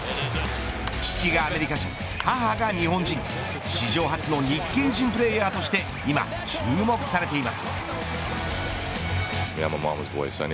父がアメリカ人、母が日本人史上初の日系人プレーヤーとして今、注目されています。